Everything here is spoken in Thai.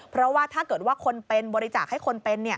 เพราะว่าถ้าเกิดว่าคนเป็นบริจาคให้คนเป็น